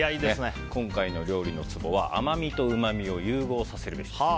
今回の料理のツボは甘みとうまみを融合させるべし。